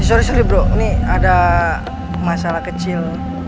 sorry sorr bro ini ada masalah kecil